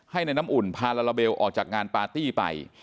ให้ในน้ำอุ่นพาลาลาเบลออกจากงานปาร์ตี้ไป